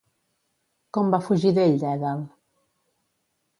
Com va fugir d'ell Dèdal?